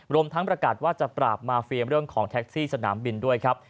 รวมทั้งประกาศว่าจะปราบมาเฟียมเรื่องของแท็กซี่สนามบินด้วยครับ